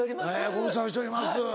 ご無沙汰しております。